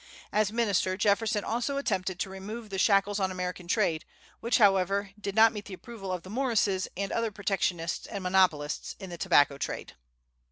As minister, Jefferson also attempted to remove the shackles on American trade; which, however, did not meet the approval of the Morrises and other protectionists and monopolists in the tobacco trade.